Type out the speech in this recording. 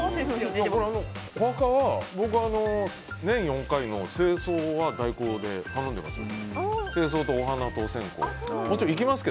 お墓は、僕は年４回の清掃は代行で頼んでいます。